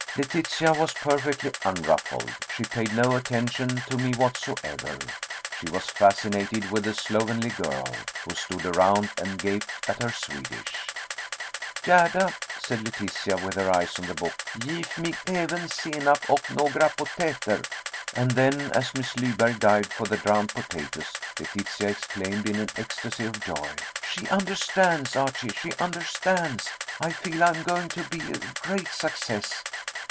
Letitia was perfectly unruffled. She paid no attention to me whatsoever. She was fascinated with the slovenly girl, who stood around and gaped at her Swedish. "Gerda," said Letitia, with her eyes on the book, "Gif mir apven senap och nägra potäter." And then, as Miss Lyberg dived for the drowned potatoes, Letitia exclaimed in an ecstasy of joy, "She understands, Archie, she understands. I feel I am going to be a great success.